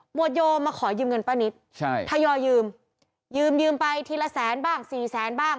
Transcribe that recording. วดโยมาขอยืมเงินป้านิตใช่ทยอยยืมยืมไปทีละแสนบ้างสี่แสนบ้าง